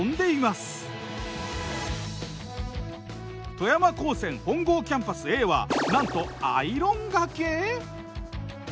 富山高専本郷キャンパスＡはなんとアイロンがけ！？